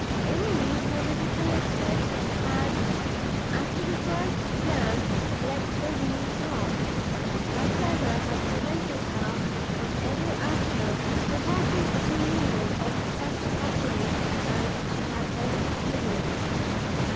Emily, it may be recollected, had, after the first glance, let the veil drop, and her terror had prevented her from ever after provoking a renewal of such suffering, as she had then experienced.